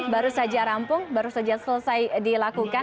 baru saja rampung baru saja selesai dilakukan